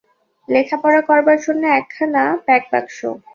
লেখাপড়া করবার জন্যে একখানা প্যাকবাক্স।